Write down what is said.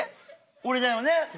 俺だよね？